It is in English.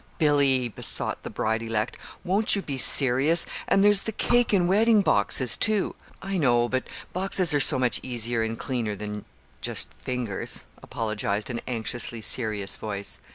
"Billy!" besought the bride elect. "Won't you be serious? And there's the cake in wedding boxes, too." "I know, but boxes are so much easier and cleaner than just fingers," apologized an anxiously serious voice.